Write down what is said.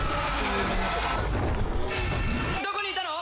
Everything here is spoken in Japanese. どこにいたの？